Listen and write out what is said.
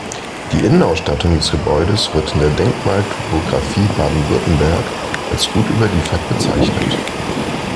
Die Innenausstattung des Gebäudes wird in der "Denkmaltopographie Baden-Württemberg" als gut überliefert bezeichnet.